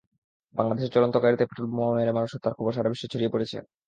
বাংলাদেশে চলন্ত গাড়িতে পেট্রলবোমা মেরে মানুষ হত্যার খবর সারা বিশ্বে ছড়িয়ে পড়েছে।